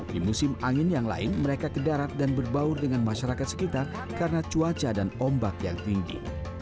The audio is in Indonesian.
di musim angin yang lain mereka ke darat dan berbaur dengan masyarakat sekitar karena cuaca dan ombak yang tinggi